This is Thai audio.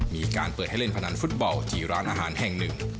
มีการเปิดให้เล่นพนันฟุตบอลที่ร้านอาหารแห่งหนึ่ง